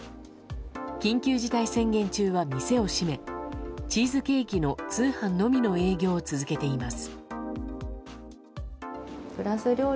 緊急事態宣言中は店を閉めチーズケーキの通販のみの営業を続けています。